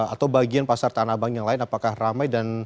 atau bagian pasar tanah abang yang lain apakah ramai